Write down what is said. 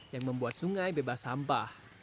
yang membuat sungai bebas sampah